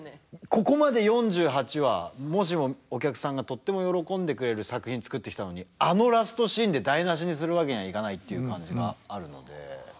ここまで４８話もしもお客さんがとっても喜んでくれる作品作ってきたのにあのラストシーンで台なしにするわけにはいかないっていう感じがあるので。